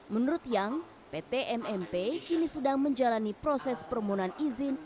menurut yang pt mmp kini sedang menjalani proses permohonan izin